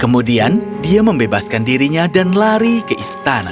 kemudian dia membebaskan dirinya dan lari ke istana